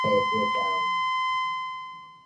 naye aliendeleza sera za watangulizi wake